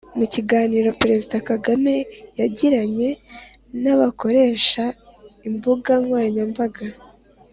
Mu kiganiro Perezida Kagame yagiranye n’abakoresha imbuga nkoranyambaga